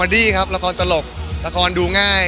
มันจะเผยไปก่อนหรือป่าว